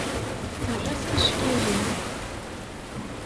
Err-as ticekkalin.